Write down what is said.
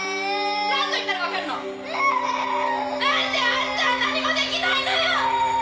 何度言ったらわかるのなんであんたは何もできないのよ！